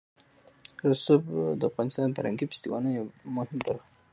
رسوب د افغانستان د فرهنګي فستیوالونو یوه مهمه برخه ده.